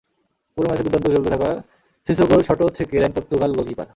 পুরো ম্যাচে দুর্দান্ত খেলতে থাকা সিসোকোর শটও ঠেকিয়ে দেন পর্তুগাল গোলকিপার।